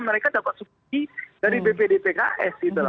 mereka dapat sepuluh dari bpdtks